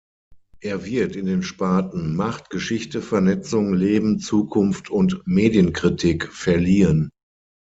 Er wird in den Sparten Macht, Geschichte, Vernetzung, Leben, Zukunft und Medienkritik verliehen.